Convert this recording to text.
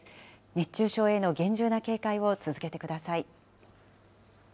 熱中症への厳重な警戒を続けてください。